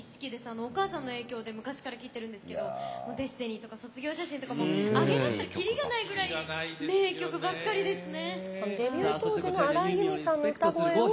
お母さんの影響で昔から聴いてるんですけど「ＤＥＳＴＩＮＹ」や「卒業写真」など挙げだしたらきりがないぐらい名曲ばかりですね！